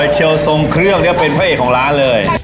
เชลทรงเครื่องเป็นพระเอกของร้านเลย